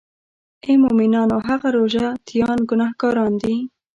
آی مومنانو هغه روژه تیان ګناهګاران دي.